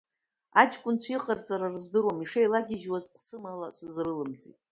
Аҷкәынцәа иҟарҵара рыздыруам, ишеилагьежьуаз сымала сызрылымҵит.